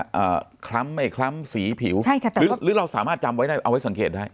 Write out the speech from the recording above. อ่าคล้ำไม่คล้ำสีผิวใช่ค่ะหรือหรือเราสามารถจำไว้ได้เอาไว้สังเกตได้